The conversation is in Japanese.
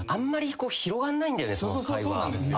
そうなんですよ。